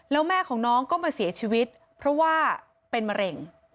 แล้วแม่ของน้องก็มาเสียชีวิตเพราะว่าเป็นมะเร็ง